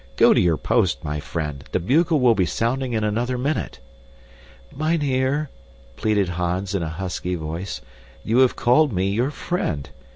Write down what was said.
Go to your post, my friend, the bugle will be sounding in another minute." "Mynheer," pleaded Hans in a husky voice, "you have called me your friend.